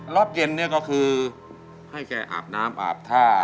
รอบเย็นเนี่ยก็คือให้แกอาบน้ำอาบท่า